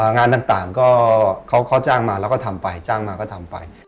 งานต่างก็เขาจ้างมาแล้วก็ทำไปจ้างมาก็ทำไป